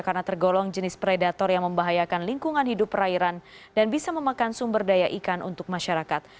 karena tergolong jenis predator yang membahayakan lingkungan hidup perairan dan bisa memakan sumber daya ikan untuk masyarakat